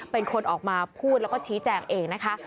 เป็นคนออกมาพูดแล้วก็ชี้แจงเองนะคะ